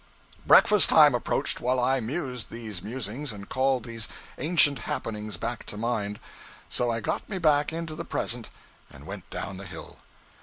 Breakfast time approached while I mused these musings and called these ancient happenings back to mind; so I got me back into the present and went down the hill.